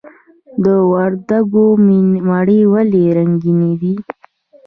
د وردګو مڼې ولې رنګینې دي؟